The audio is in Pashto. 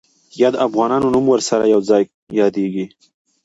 یا د افغانانو نوم ورسره یو ځای یادېږي.